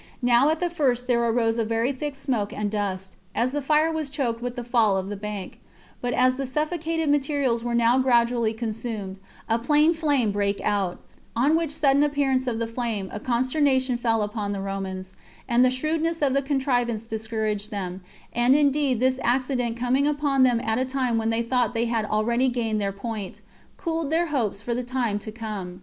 Now at the first there arose a very thick smoke and dust, as the fire was choked with the fall of the bank; but as the suffocated materials were now gradually consumed, a plain flame brake out; on which sudden appearance of the flame a consternation fell upon the Romans, and the shrewdness of the contrivance discouraged them; and indeed this accident coming upon them at a time when they thought they had already gained their point, cooled their hopes for the time to come.